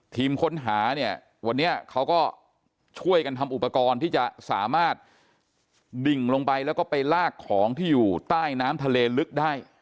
ทีมค้นหาเนี่ยวันนี้เขาก็ช่วยกันทำอุปกรณ์ที่จะสามารถดิ่งลงไปแล้วก็ไปลากของที่อยู่ใต้น้ำทะเลลึกได้